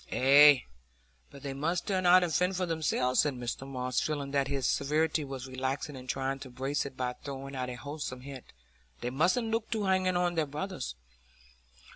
"Ah, but they must turn out and fend for themselves," said Mr Tulliver, feeling that his severity was relaxing and trying to brace it by throwing out a wholesome hint "They mustn't look to hanging on their brothers."